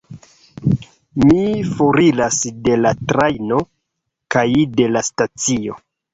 Mi foriras de la trajno, kaj de la stacio.